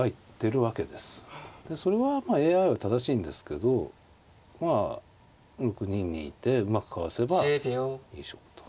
でそれはまあＡＩは正しいんですけどまあ６二にいてうまくかわせばいい勝負と。